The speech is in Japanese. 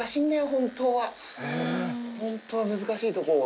本当は難しいとこを。